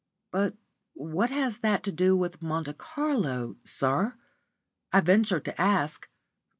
"But what has that to do with Monte Carlo, sir?" I ventured to ask.